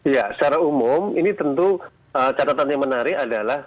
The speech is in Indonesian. ya secara umum ini tentu catatan yang menarik adalah